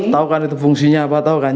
tau kan itu fungsinya apa tau kan